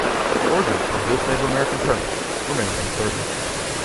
The origin of this Native American term remains uncertain.